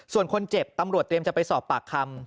ส่วนคนเจ็บตำรวจเตรียมจะไปสอบปากคำ